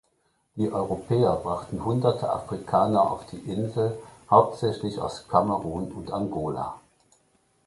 Die Europäer brachten hunderte Afrikaner auf die Insel, hauptsächlich aus Kamerun und Angola.